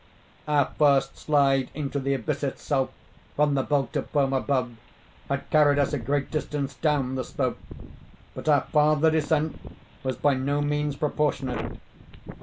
"Our first slide into the abyss itself, from the belt of foam above, had carried us a great distance down the slope; but our farther descent was by no means proportionate.